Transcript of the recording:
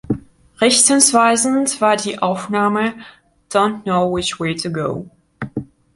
Richtungsweisend war die Aufnahme "Don’t Know Which Way to Go".